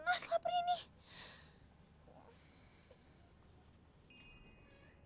udah keluar tuh sama cewek